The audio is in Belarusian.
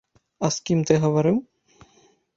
А з кім ты гаварыў?